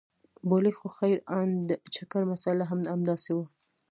بولې خو خير ان د چکر مساله هم همداسې وه.